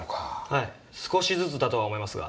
はい少しずつだとは思いますが。